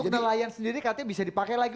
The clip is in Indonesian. nelayan sendiri katanya bisa dipakai lagi